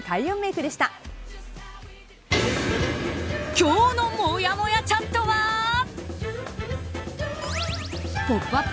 今日のもやもやチャットは「ポップＵＰ！」